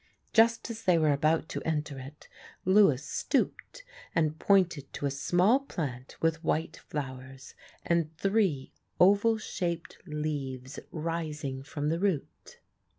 Just as they were about to enter it Lewis stooped and pointed to a small plant with white flowers and three oval shaped leaves rising from the root.